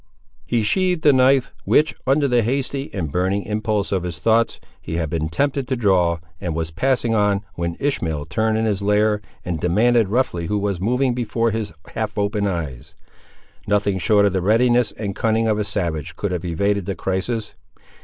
He sheathed the knife, which, under the hasty and burning impulse of his thoughts, he had been tempted to draw, and was passing on, when Ishmael turned in his lair, and demanded roughly who was moving before his half opened eyes. Nothing short of the readiness and cunning of a savage could have evaded the crisis.